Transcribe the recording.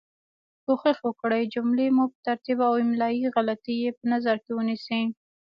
کوښښ وکړئ جملې مو په ترتیب او املایي غلطې یي په نظر کې ونیسۍ